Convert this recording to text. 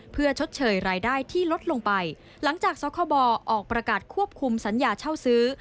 เพื่อชดเชยรายได้ที่ลดลงไปหลังจากสคบออกประกาศควบคุมสัญญาเช่าซื้อ